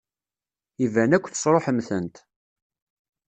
Iban akk tesṛuḥem-tent.